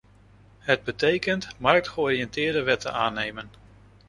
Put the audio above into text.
Het betekent marktgeoriënteerde wetten aannemen.